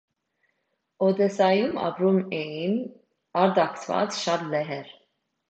Օդեսայում ապրում էին արտաքսված շատ լեհեր։